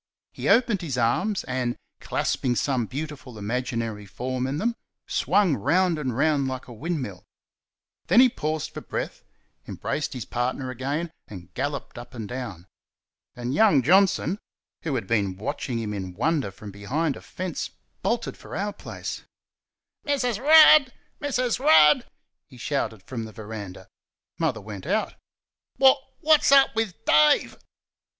He opened his arms and, clasping some beautiful imaginary form in them, swung round and round like a windmill. Then he paused for breath, embraced his partner again, and "galloped" up and down. And young Johnson, who had been watching him in wonder from behind a fence, bolted for our place. "Mrs. Rudd! Mrs. Rudd!" he shouted from the verandah. Mother went out. "Wot's wot's up with Dave?"